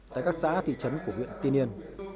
tại các xã thị trấn của huyện tiên yên